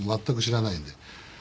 全く知らないんで。